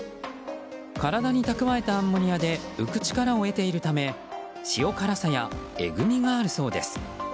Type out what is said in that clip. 体に蓄えたアンモニアで浮く力を得ているため塩辛さやえぐみがあるそうです。